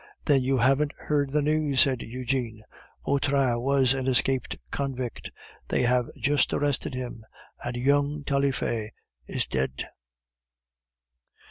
"Then you haven't heard the news?" said Eugene. "Vautrin was an escaped convict; they have just arrested him; and young Taillefer is dead."